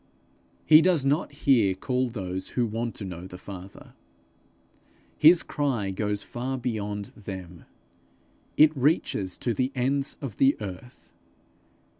He does not here call those who want to know the Father; his cry goes far beyond them; it reaches to the ends of the earth.